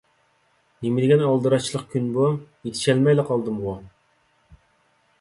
نېمىدېگەن ئالدىراشچىلىق كۈن بۇ؟ يېتىشەلمەيلا قالدىمغۇ.